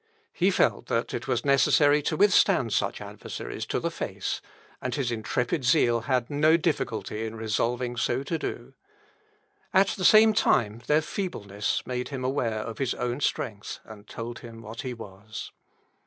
He felt that it was necessary to withstand such adversaries to the face; and his intrepid zeal had no difficulty in resolving so to do. At the same time, their feebleness made him aware of his own strength, and told him what he was.